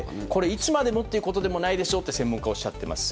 いつまでもということではないでしょうと専門家はおっしゃっています。